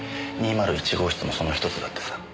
２０１号室もその１つだってさ。